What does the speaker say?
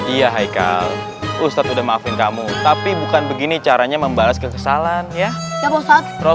iya hai kalau ustadz udah maafin kamu tapi bukan begini caranya membalas kekesalan ya ya bapak